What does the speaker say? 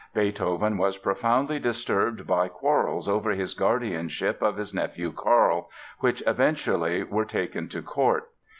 Beethoven was profoundly disturbed by quarrels over his guardianship of his nephew Karl, which eventually were taken to court.